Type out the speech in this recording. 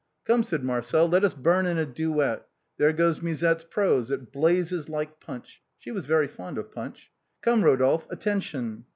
"Come," said Marcel, " let us burn in a duet. There goes Musette's prose; it blazes like punch. She was very fond of punch. Come, Eodolphe, attention